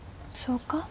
そうか？